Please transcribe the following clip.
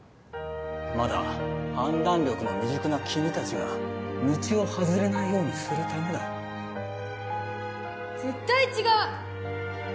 まだ判断力の未熟な君達が道を外れないようにするためだ絶対違う！